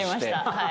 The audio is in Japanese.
はい。